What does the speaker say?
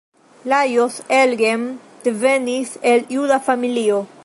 Lajos Engel devenis el juda familio.